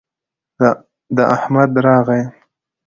د احمد راغى